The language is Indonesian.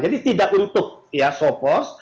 jadi tidak untuk ya sopos